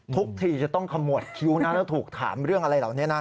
ทุกทีจะต้องขมวดคิ้วนะแล้วถูกถามเรื่องอะไรเหล่านี้นะ